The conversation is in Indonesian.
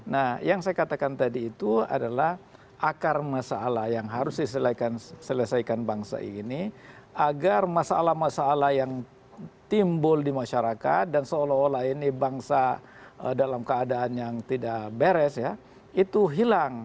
nah yang saya katakan tadi itu adalah akar masalah yang harus diselesaikan bangsa ini agar masalah masalah yang timbul di masyarakat dan seolah olah ini bangsa dalam keadaan yang tidak beres ya itu hilang